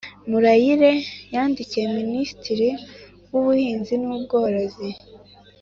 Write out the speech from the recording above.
Murayire yandikiye Minisitiri w’Ubuhinzi n’Ubworozi